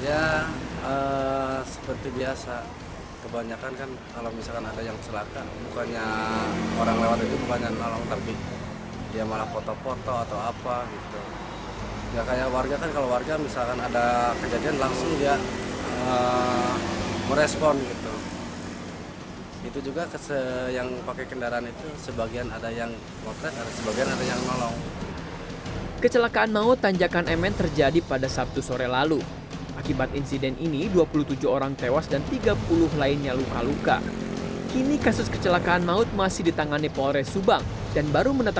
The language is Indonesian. ya seperti biasa kebanyakan kan kalau misalkan ada yang kecelakaan bukannya orang lewat itu banyak menolong tapi dia malah foto foto atau apa gitu